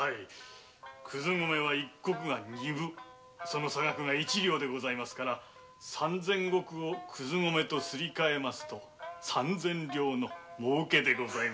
クズ米は一石が二分その差額が一両でございますから三千石をクズ米とすりかえますと三千両のもうけでございます。